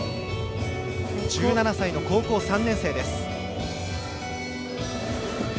１７歳の高校３年生です。